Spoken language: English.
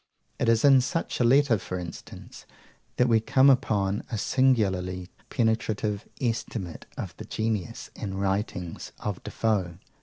It is in such a letter, for instance, that we come upon a singularly penetrative estimate of the genius and writings of Defoe.